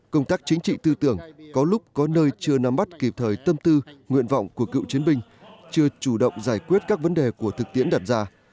công tác chính trị tư tưởng có lúc có nơi chưa nắm bắt kịp thời tâm tư nguyện vọng của cựu chiến binh chưa chủ động giải quyết các vấn đề của thực tiễn đặt ra